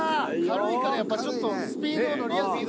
軽いからやっぱスピード乗りやすい。